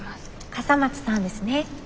笠松さんですね。